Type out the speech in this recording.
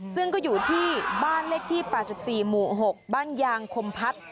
ซึ่งก็อยู่ที่บ้านเลขที่๘๔หมู่๖บ้านยางคมพัฒน์